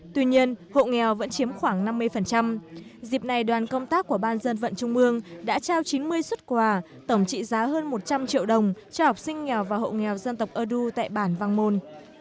tuy nhiên hộ nghèo vẫn chiếm khoảng năm mươi dịp này đoàn công tác của ban dân vận trung mương đã trao chín mươi xuất quà tổng trị giá hơn một trăm linh triệu đồng cho học sinh nghèo và hộ nghèo dân tộc ơ đu tại bản văn môn